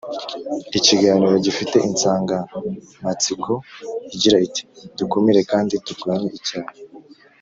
ikiganiro gifite insangamatsiko igira iti Dukumire kandi turwanye icyaha